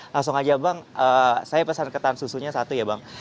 langsung aja bang saya pesan ketan susunya satu ya bang